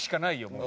もう。